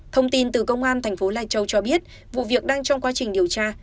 thông tin từ công an tp lai châu cho biết vụ việc đang trong quá trình điều tra